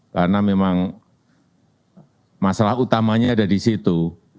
karena memang masalah utamanya ada di situ